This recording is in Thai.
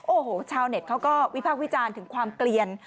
โอ้โหชาวเน็ตเขาก็วิพากษ์วิจารณ์ถึงความเกลียน